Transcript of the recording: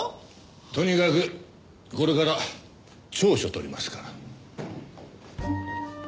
とにかくこれから調書取りますから。